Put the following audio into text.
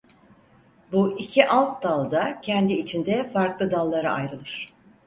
Bu iki alt dal da kendi içinde farklı dallara ayrılır.